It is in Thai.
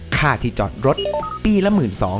ค่าที่จอดรถปีละ๑๒๐๐